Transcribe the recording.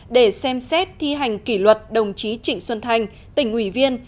để xem xét thi hành kỷ luật đồng chí trịnh xuân thanh tỉnh ủy viên